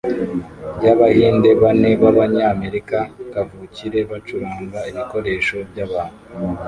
ryabahinde bane b'Abanyamerika kavukire bacuranga ibikoresho byabantu